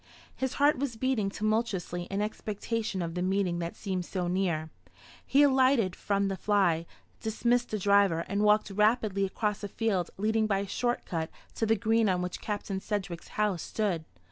His heart was beating tumultuously in expectation of the meeting that seemed so near. He alighted from the fly, dismissed the driver, and walked rapidly across a field leading by a short cut to the green on which Captain Sedgewick's house stood.